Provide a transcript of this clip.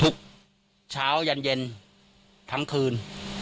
เช้ายันเย็นทั้งคืน